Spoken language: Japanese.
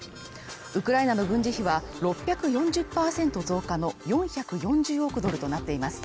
ウクライナの軍事費は６４０％増加の４４０億ドルとなっています。